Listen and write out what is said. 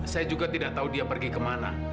saya juga tidak tahu dia pergi kemana